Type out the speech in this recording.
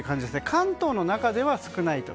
関東の中では少ないと。